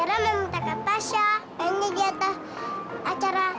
kamu tenang aja